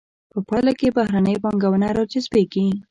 په پایله کې بهرنۍ پانګونه را جذبیږي.